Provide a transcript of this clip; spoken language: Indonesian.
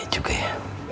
iya juga ya